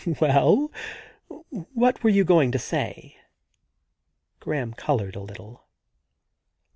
* Well, what were you going to say ?' Graham coloured a little.